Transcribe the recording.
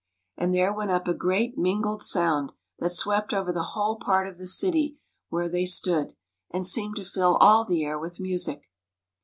And there went up a great mingled sound that swept over the whole part of the city where they stood, and seemed to fill all the air with music.